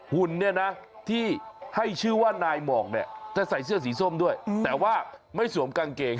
หุ่นเนี่ยนะที่ให้ชื่อว่านายหมอกเนี่ยจะใส่เสื้อสีส้มด้วยแต่ว่าไม่สวมกางเกง